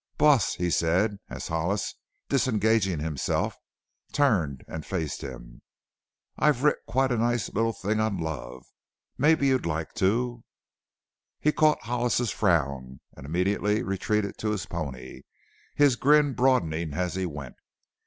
"Boss," he said, as Hollis, disengaging himself, turned and faced him, "I've writ quite a nice little thing on 'Love.' Mebbe you'd like to " He caught Hollis's frown and immediately retreated to his pony, his grin broadening as he went.